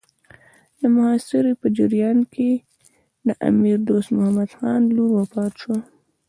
د محاصرې په جریان کې د امیر دوست محمد خان لور وفات شوه.